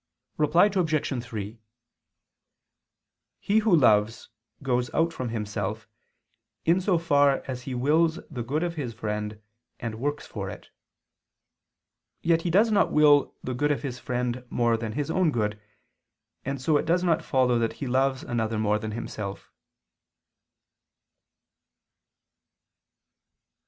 Reply Obj. 3: He who loves, goes out from himself, in so far as he wills the good of his friend and works for it. Yet he does not will the good of his friend more than his own good: and so it does not follow that he loves another more than himself.